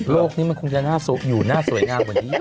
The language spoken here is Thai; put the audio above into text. โลกนี้มันคงจะอยู่หน้าสวยงามกว่านี้เยอะ